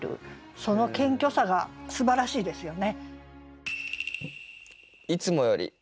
その謙虚さがすばらしいですよね。